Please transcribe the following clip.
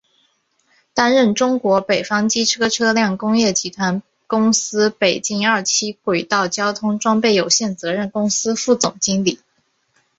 担任中国北方机车车辆工业集团公司北京二七轨道交通装备有限责任公司副总经理。